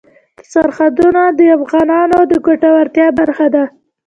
سرحدونه د افغانانو د ګټورتیا برخه ده.